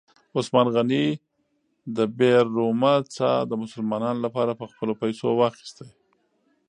عثمان غني د بئر رومه څاه د مسلمانانو لپاره په خپلو پیسو واخیسته.